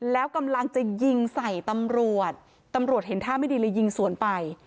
แล้วกำลังจะยิงใส่ตำรวจตำรวจเห็นท่าไม่ดีเลยยิงสวนไป